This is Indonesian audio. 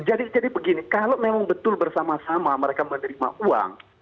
jadi begini kalau memang betul bersama sama mereka menerima uang